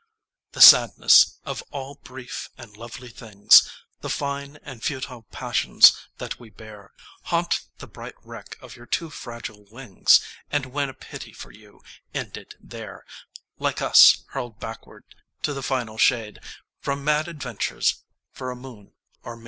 The sadness of all brief and lovely things, The fine and futile passions that we bear, Haunt the bright wreck of your too fragile wings, And win a pity for you, ended there, Like us, hurled backward to the final shade, From mad adventures for a moon or maid.